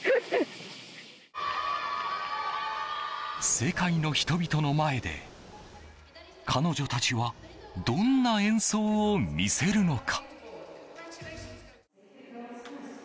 世界の人々の前で彼女たちはどんな演奏を見せるのか？